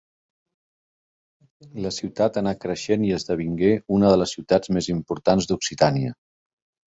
La ciutat anà creixent i esdevingué una de les ciutats més importants d'Occitània.